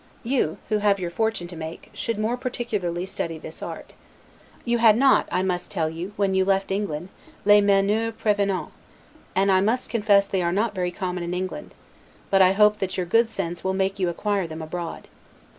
You, who have your fortune to make, should more particularly study this art. You had not, I must tell you, when you left England, 'les manieres prevenantes'; and I must confess they are not very common in England; but I hope that your good sense will make you acquire them abroad.